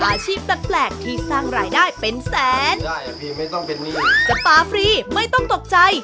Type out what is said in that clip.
อาชีพแปลกที่สร้างรายได้เป็นแสนสปาฟรีไม่ต้องตกใจ